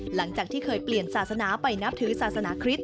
หลังจากที่เคยเปลี่ยนศาสนาไปนับถือศาสนาคริสต